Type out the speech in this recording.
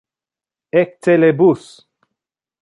Ecce le bus.